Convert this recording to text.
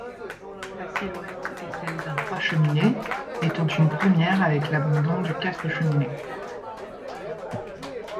La silhouette est celle d'un trois-cheminées, étant une première avec l'abandon du quatre-cheminées.